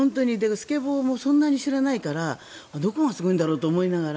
スケボもそんなに知らないからどこがすごいんだろうと思いながら。